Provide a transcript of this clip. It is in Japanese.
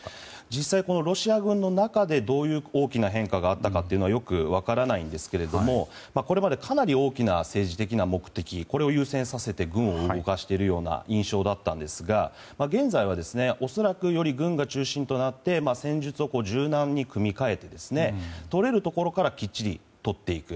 実際にロシア軍の中でどういう大きな変化があったかよくわかりませんがこれまでかなり大きな政治的目的を優先させて軍を動かしている印象だったんですが現在はより軍が中心になって戦術を柔軟に組み替えてとれるところからきっちりとっていく。